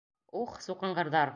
Ух, суҡынғырҙар!